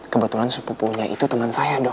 kebetulan sepupunya itu teman saya dok